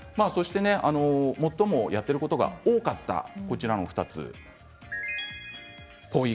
最もやっていることが多かったのはこの２つです。